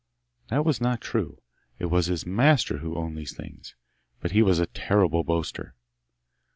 That was not true; it was his master who owned these things; but he was a terrible boaster.